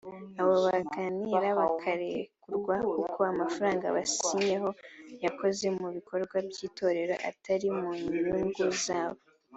abo bunganira bakarekurwa kuko amafaranga basinyeho yakoze mu bikorwa by’itorero atari mu nyungu zabo